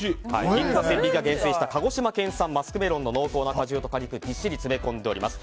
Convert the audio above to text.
銀座千疋屋が厳選した鹿児島県産マスクメロンの濃厚な果汁と果肉をぎっしり詰め込んでおります。